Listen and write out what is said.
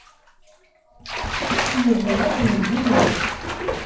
Yebna-t Mhenni.